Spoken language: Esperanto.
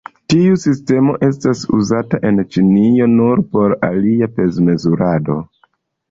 Tiu sistemo estas uzata en Ĉinio nur por ilia pez-mezurado.